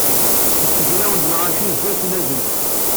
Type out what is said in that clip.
Msegrawen-d lɣaci sdat tnazent.